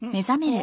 あ？